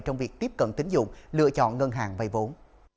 trong việc tiếp cận tính dụng lựa chọn ngân hàng vay vốn